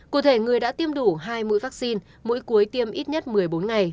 cụ thể người đã tiêm đủ hai mũi vaccine mỗi cuối tiêm ít nhất một mươi bốn ngày